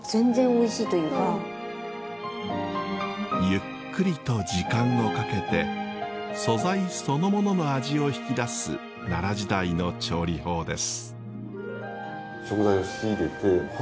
ゆっくりと時間をかけて素材そのものの味を引き出す奈良時代の調理法です。